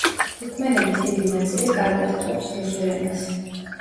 თურქმენების დიდი ნაწილი კარგად ფლობს რუსულ ენას.